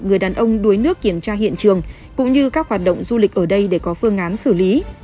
người đàn ông đuối nước kiểm tra hiện trường cũng như các hoạt động du lịch ở đây để có phương án xử lý